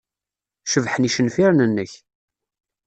Cebḥen yicenfiren-nnek.